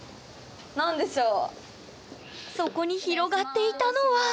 そこに広がっていたのは！